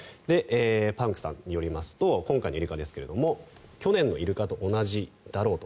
パンクさんによりますと今回のイルカですが去年のイルカと同じだろうと。